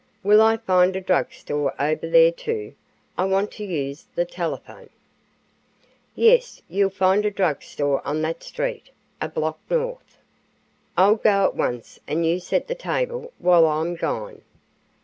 "Will I find a drug store over there, too? I want to use the telephone." "Yes, you'll find a drug store on that street, a block north." "I'll go at once and you set the table while I'm gone.